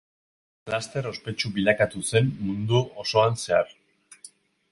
Laster ospetsu bilakatu zen mundu osoan zehar.